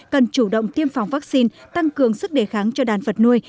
cần chủ động tiêm phòng vaccine tăng cường sức đề kháng cho đàn vật nuôi